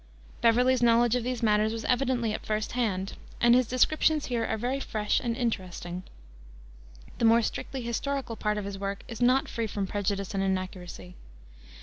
Beverley's knowledge of these matters was evidently at first hand, and his descriptions here are very fresh and interesting. The more strictly historical part of his work is not free from prejudice and inaccuracy.